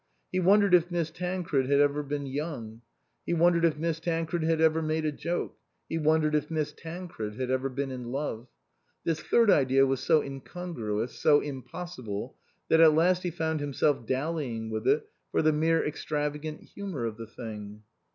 He wondered if Miss Tan cred had ever been young ; he wondered if Miss Tancred had ever made a joke ; he wondered if Miss Tancred had ever been in love. This third idea was so incongruous, so impossible, that at last he found himself dallying with it for the mere extravagant humour of the thing.